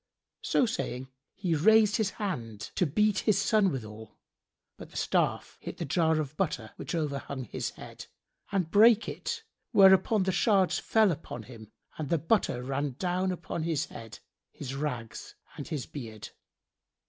So saying, he raised his hand, to beat his son withal but the staff hit the jar of butter which overhung his head, and brake it; whereupon the shards fell upon him and the butter ran down upon his head, his rags and his beard.